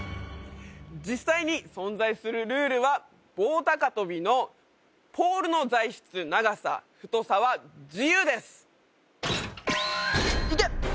実際に存在するルールは棒高跳びのポールの材質長さ太さは自由ですいけ！